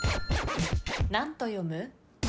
何と読む？